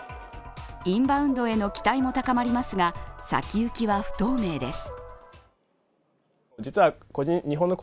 インバウンドへの期待も高まりますが、先行きは不透明です。